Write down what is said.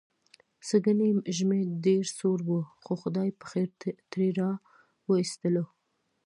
سږنی ژمی ډېر سوړ و، خو خدای پخېر ترې را و ایستلو.